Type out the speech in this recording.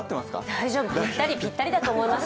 大丈夫、ぴったりだと思います。